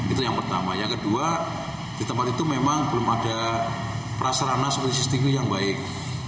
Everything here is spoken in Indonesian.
itu yang pertama yang kedua di tempat itu memang belum ada prasarana seperti sistemnya yang baik